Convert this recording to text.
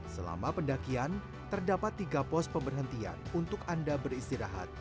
selama pendakian terdapat tiga pos pemberhentian untuk anda beristirahat